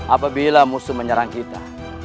apabila musuh menyerang kita